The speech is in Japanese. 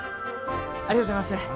ありがとうございます。